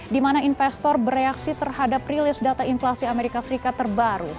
di mana investor bereaksi terhadap rilis data inflasi amerika serikat terbaru